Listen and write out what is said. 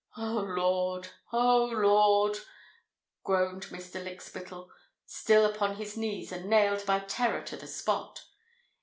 "O Lord! O Lord!" groaned Mr. Lykspittal, still upon his knees and nailed by terror to the spot.